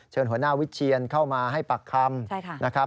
เชิญหัวหน้าวิทเชียรเข้ามาให้ปักคำ